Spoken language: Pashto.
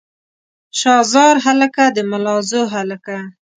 شاه زار هلکه د ملازو هلکه.